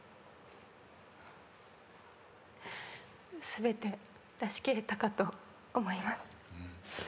全て出しきれたかと思います。